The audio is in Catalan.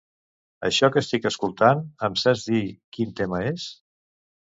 Això que estic escoltant, em saps dir quin tema és?